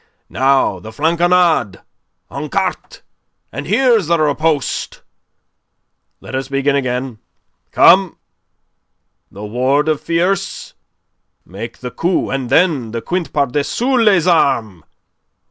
Now the flanconnade en carte.... And here is the riposte.... Let us begin again. Come! The ward of tierce.... Make the coupe, and then the quinte par dessus les armes....